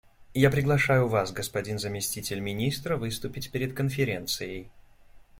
Я приглашаю Вас, господин заместитель Министра, выступить перед Конференцией.